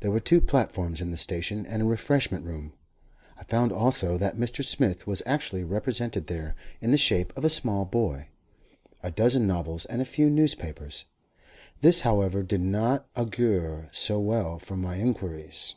There were two platforms in the station, and a refreshment room. I found also that Mr. Smith was actually represented there, in the shape of a small boy, a dozen novels, and a few newspapers. This, however, did not augur so well for my inquiries.